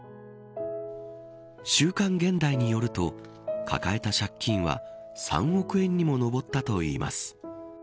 週刊現代によると抱えた借金は３億円にも上ったといいます。